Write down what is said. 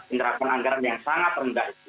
interaksi anggaran yang sangat rendah